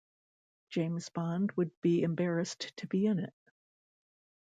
James Bond would be embarrassed to be in it.